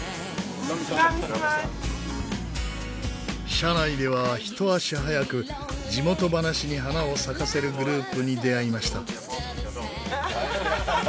車内ではひと足早く地元話に花を咲かせるグループに出会いました。